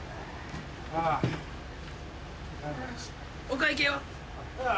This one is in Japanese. お会計は？